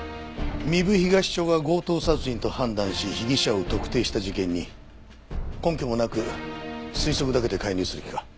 壬生東署が強盗殺人と判断し被疑者を特定した事件に根拠もなく推測だけで介入する気か？